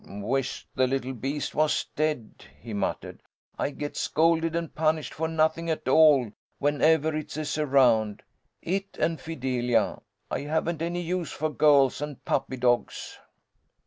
"Wish't the little beast was dead!" he muttered. "I get scolded and punished for nothing at all whenever it is around. It and Fidelia! I haven't any use for girls and puppy dogs!"